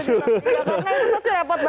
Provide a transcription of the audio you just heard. iya karena itu pasti repot banget